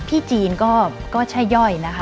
ที่จีนก็ใช่ย่อยนะคะ